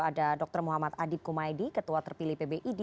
ada dr muhammad adip kumaili ketua terpilih pbid